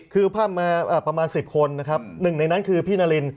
คือพ่ำมาประมาณ๑๐คนนะครับหนึ่งในนั้นคือพี่นาริน